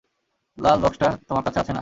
লাল বাক্সটা তোমার কাছে আছে না?